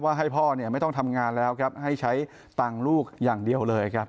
ให้พ่อเนี่ยไม่ต้องทำงานแล้วครับให้ใช้ตังค์ลูกอย่างเดียวเลยครับ